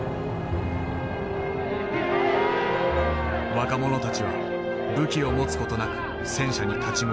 若者たちは武器を持つ事なく戦車に立ち向かった。